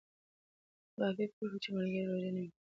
غابي پوه شو چې ملګری یې روژه نیولې ده.